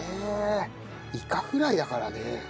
イカフライだからね。